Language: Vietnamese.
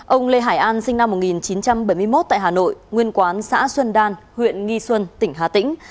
ông lê hải an sinh năm một nghìn chín trăm bảy mươi một tại hà nội nguyên quán xã xuân đan huyện nghi xuân tỉnh hà tĩnh